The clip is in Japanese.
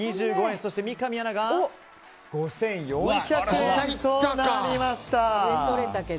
そして、三上アナが５４００円となりました。